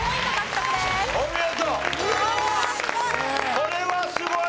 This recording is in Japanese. これはすごいよ！